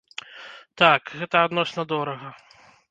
Так, гэта адносна дорага.